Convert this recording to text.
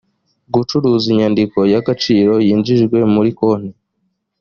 gucuruza inyandiko y agaciro yinjijwe muri konti